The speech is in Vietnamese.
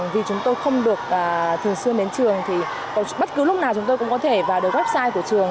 vì chúng tôi không được thường xuyên đến trường thì bất cứ lúc nào chúng tôi cũng có thể vào được website của trường